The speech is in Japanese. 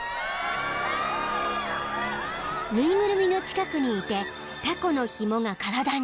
［縫いぐるみの近くにいてたこのひもが体に］